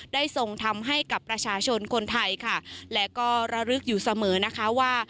ทรงทำให้กับประชาชนคนไทยค่ะและก็ระลึกอยู่เสมอนะคะว่า